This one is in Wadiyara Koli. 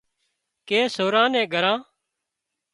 ڪي سوران نين ڳران